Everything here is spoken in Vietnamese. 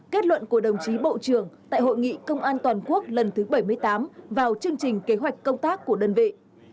kết luận của đồng chí bộ trưởng tại hội nghị công an toàn quốc lần thứ bảy mươi tám vào chương trình kế hoạch công tác của đơn vị